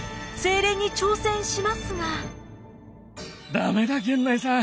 駄目だ源内さん。